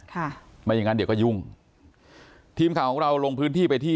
ไม่อย่างงั้นเดี๋ยวก็ยุ่งทีมข่าวของเราลงพื้นที่ไปที่